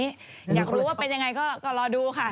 อยากรู้ว่าเป็นยังไงก็รอดูค่ะ